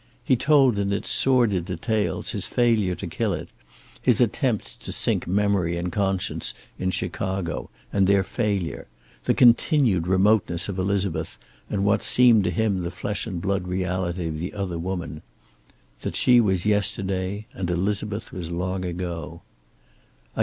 He told in its sordid details his failure to kill it, his attempts to sink memory and conscience in Chicago and their failure, the continued remoteness of Elizabeth and what seemed to him the flesh and blood reality of the other woman. That she was yesterday, and Elizabeth was long ago.